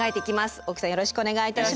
大木さんよろしくお願いいたします。